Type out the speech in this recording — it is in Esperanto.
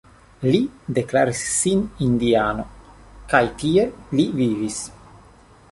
Li deklaris sin indiano kaj tiel li vivis.